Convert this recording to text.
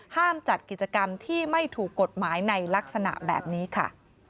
จัดกิจกรรมที่ไม่ถูกกฎหมายในลักษณะแบบนี้ค่ะ